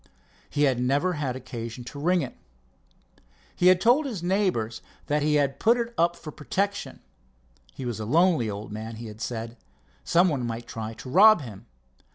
He had never had occasion to ring it. He had told his neighbors that he had put it up for protection. He was a lonely old man, he had said. Some one might try to rob him.